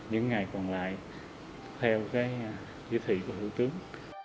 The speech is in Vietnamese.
những ngày còn lại theo cái chỉ thị của thủ tướng